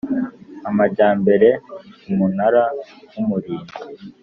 Amajyambere umunara w umurinzi